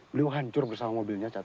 beliau hancur bersama mobilnya